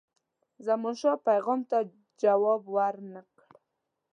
زمانشاه پیغام ته جواب ورنه کړ.